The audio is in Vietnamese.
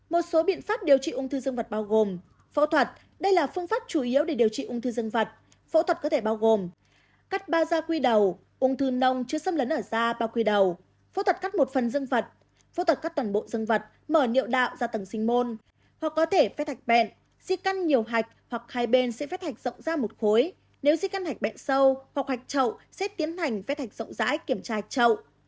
một số biện pháp điều trị ung thư dân vật bao gồm phẫu thuật đây là phương pháp chủ yếu để điều trị ung thư dân vật phẫu thuật có thể bao gồm cắt ba da quy đầu ung thư nông chưa xâm lấn ở da bao quy đầu phẫu thuật cắt một phần dân vật phẫu thuật cắt toàn bộ dân vật mở niệu đạo ra tầng sinh môn hoặc có thể vết hạch bẹn di căn nhiều hạch hoặc hai bên sẽ vết hạch rộng ra một khối nếu di căn hạch bẹn sâu hoặc hạch trậu sẽ tiến hành vết hạch rộng rãi kiểm tra hạch trậu